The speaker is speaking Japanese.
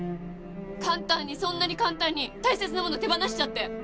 簡単にそんなに簡単に大切なもの手放しちゃって。